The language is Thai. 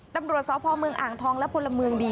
ตำรวจสพเมืองอ่างทองและพลเมืองดี